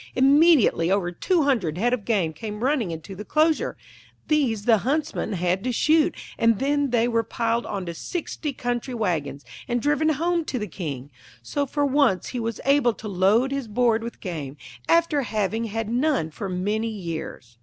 Immediately over two hundred head of game came running into the enclosure; these the Huntsmen had to shoot, and then they were piled on to sixty country wagons, and driven home to the King. So for once he was able to load his board with game, after having had none for many years.